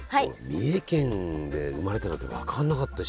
三重県で生まれたなんて分かんなかった。